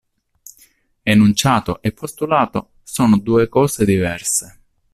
Enunciato e postulato sono due cose diverse.